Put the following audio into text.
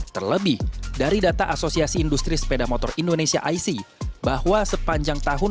terlebih dari data asosiasi industri sepeda motor indonesia ic bahwa sepanjang tahun dua ribu dua puluh dua